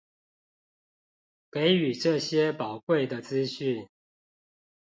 給予這些寶貴的資訊